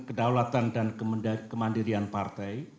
kedaulatan dan kemandirian partai